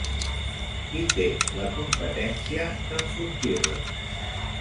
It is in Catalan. Qui té la competència d'enfortir-les?